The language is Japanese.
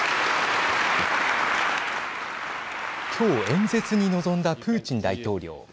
今日演説に臨んだプーチン大統領。